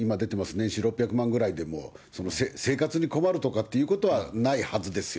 年収６００万ぐらいでも、生活に困るとかっていうことはないはずですよ。